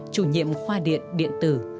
chủ nhiệm khoa điện điện tử